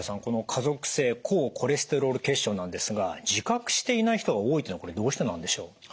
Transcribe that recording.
この家族性高コレステロール血症なんですが自覚していない人が多いっていうのはこれどうしてなんでしょう？